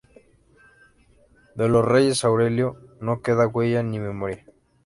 De los Reyes Aurelio, "“No Queda Huella ni Memoria?